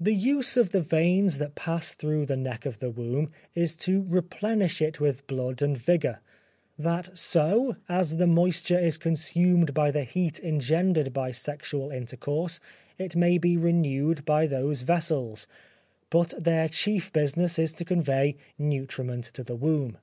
The use of the veins that pass through the neck of the womb, is to replenish it with blood and vigour, that so, as the moisture is consumed by the heat engendered by sexual intercourse, it may be renewed by those vessels; but their chief business is to convey nutriment to the womb.